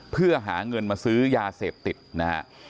เพื่อหาเงินมาซื้อยาเสพติดนะฮะ